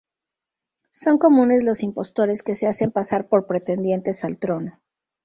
Son comunes los impostores que se hacen pasar por pretendientes al trono.